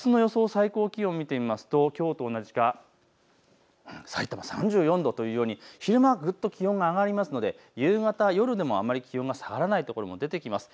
最高気温を見てみますと、きょうと同じかさいたま３４度というように昼間ぐっと気温が上がりますので夕方、夜でもあまり気温が下がらないところも出てきます。